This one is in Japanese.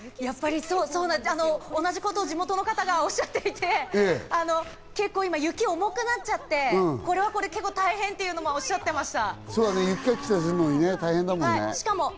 同じことを地元の方がおっしゃっていて、結構、雪が重くなっちゃって、これはこれで結構、大変とおっしゃっていました。